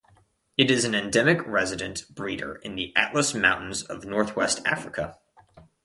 It is an endemic resident breeder in the Atlas Mountains of northwest Africa.